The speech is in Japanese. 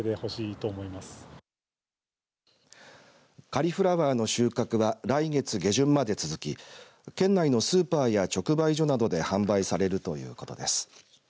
カリフラワーの収穫は来月下旬まで続き県内のスーパーや直売所などで販売されるということです。